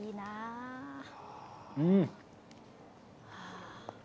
うん！